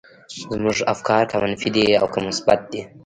زموږ افکار که منفي دي او که مثبت دي.